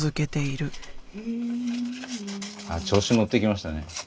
調子に乗ってきましたね。